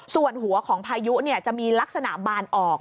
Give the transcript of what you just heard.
ส่วนหัวของพายุจะมีลักษณะบานออก